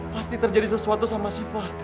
pasti terjadi sesuatu sama syifah